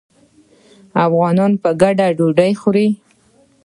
افغانان په ګډه ډوډۍ خوري.